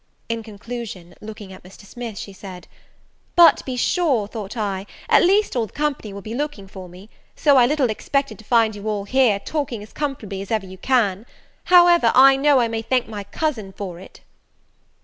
In conclusion, looking at Mr. Smith, she said, "But to be sure, thought I, at least all the company will be looking for me; so I little expected to find you all here, talking as comfortably as ever you can. However, I know I may thank my cousin for it!"